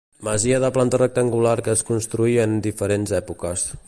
Masia de planta rectangular que es construí en diferents èpoques.